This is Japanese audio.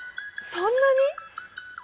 そんなに？